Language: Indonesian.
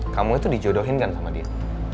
kamu itu dijodohin kan sama dia